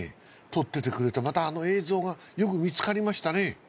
撮っててくれたまたあの映像がよく見つかりましたね